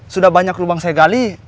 sudah banyak lubang segali